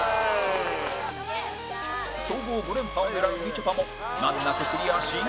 総合５連覇を狙うみちょぱも難なくクリアし